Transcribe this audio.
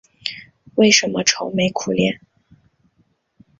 为什么愁眉苦脸？